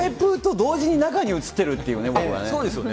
同時に中に映ってるっていうそうですよね。